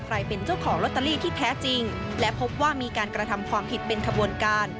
เป็นเจ้าของลอตเตอรี่ที่แท้จริงและพบว่ามีการกระทำความผิดเป็นขบวนการ